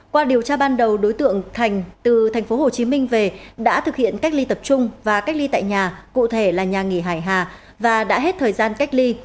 qua điều tra ban đầu đối tượng thành từ tp hcm về đã thực hiện cách ly tập trung và cách ly tại nhà cụ thể là nhà nghỉ hải hà và đã hết thời gian cách ly